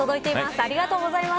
ありがとうございます。